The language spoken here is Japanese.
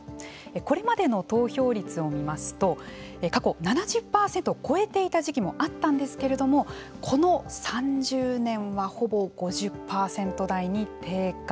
これまでの投票率を見ますと過去７０％を超えていた時期もあったんですけれどもこの３０年はほぼ５０％台に低下。